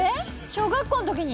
小学校の時に？